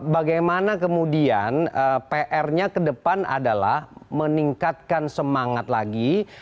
bagaimana kemudian pr nya ke depan adalah meningkatkan semangat lagi